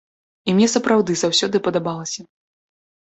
І мне сапраўды заўсёды падабалася.